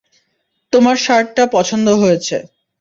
তোমার শার্টটা পছন্দ হয়েছে।